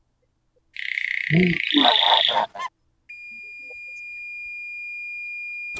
Muntu ni muntu umupe fasi yake